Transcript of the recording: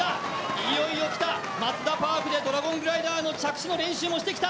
いよいよ来た、松田パークでドラゴングライダーの着地の練習もしてきた。